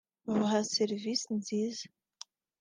babaha serivisi nziza